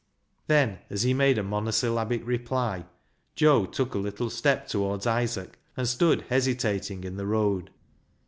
Then, as he made a monosyllabic reply, Joe took a little step towards Isaac, and stood hesitating in the road.